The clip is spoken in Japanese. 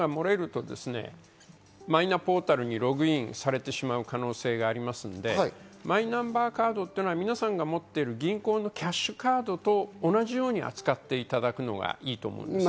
パスワードが漏れるとマイナポータルにログインされてしまう可能性がありますので、マイナンバーカードっていうのは、皆さん持っている銀行のキャッシュカードと同じように扱っていただくのがいいと思うんです。